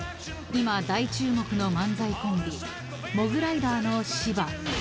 ［今大注目の漫才コンビモグライダーの芝］